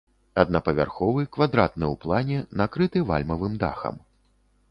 Аднапавярховы, квадратны ў плане, накрыты вальмавым дахам.